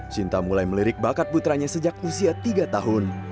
sinta mulai melirik bakat putranya sejak usia tiga tahun